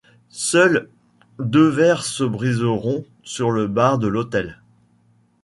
Seuls, deux verres se briseront sur le bar de l'hôtel.